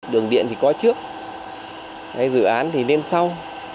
đường điện thì có trước dự án thì lên sau